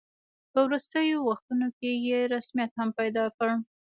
په وروستیو وختونو کې یې رسمیت هم پیدا کړ.